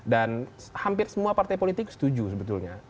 dan hampir semua partai politik setuju sebetulnya